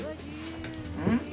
うん？